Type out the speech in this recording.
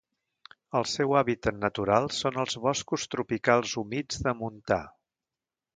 El seu hàbitat natural són els boscos tropicals humits de montà.